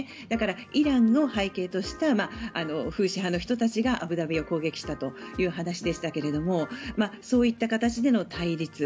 だからイランの背景としてはフーシ派の人たちがアブダビを攻撃したという話でしたがそういった形での対立。